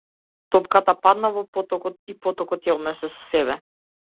Топката падна во потокот и потокот ја однесе со себе.